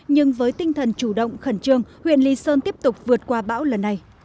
nhưng với tinh thần chủ động khẩn trương huyện lý sơn tiếp tục vượt qua bão lần này